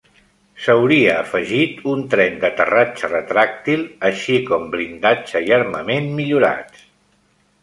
S'hauria afegit un tren d'aterratge retràctil, així com blindatge i armament millorats.